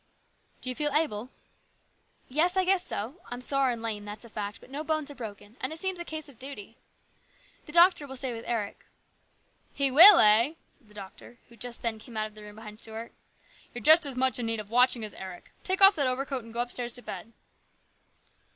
" Do you feel able ?"" Yes, I guess so ; I'm sore and lame, that's a fact, but no bones are broken, and it seems a case of duty. The doctor will stay with Eric." " He will, eh!" said the doctor, who just then came out of the room behind Stuart. " You're as much in need of watching as Eric. Take off that overcoat and go upstairs to bed